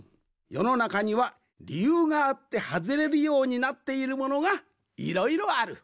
よのなかにはりゆうがあってはずれるようになっているものがいろいろある。